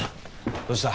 どうした？